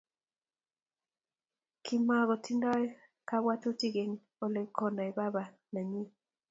Kimkotindo kapwatutik eng olepkonai baba nanyin.